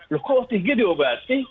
loh kok tg diobati